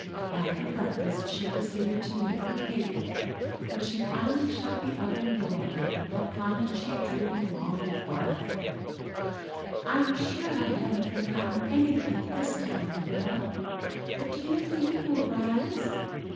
After breakfast she proceeded to make her cake. When she finally shut the oven door upon it she drew a long breath. "I'm sure I haven't forgotten anything this time, Marilla. But do you think it will rise?